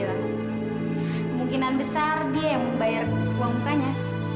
kemungkinan besar dia yang membayar uang mukanya